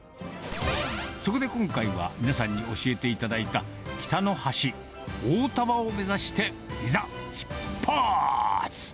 そこで今回は、皆さんに教えていただいた北の端、大丹波を目指して、いざ出発。